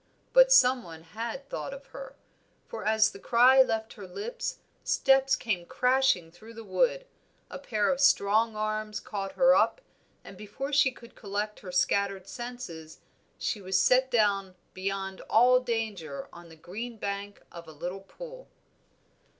But some one had thought of her, for as the cry left her lips steps came crashing through the wood, a pair of strong arms caught her up, and before she could collect her scattered senses she was set down beyond all danger on the green bank of a little pool.